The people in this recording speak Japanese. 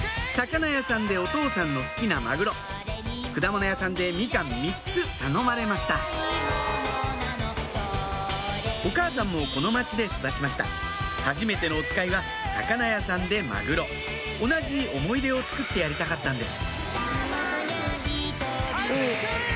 魚屋さんでお父さんの好きなマグロ果物屋さんでみかん３つ頼まれましたお母さんもこの町で育ちましたはじめてのおつかいは魚屋さんでマグロ同じ思い出をつくってやりたかったんです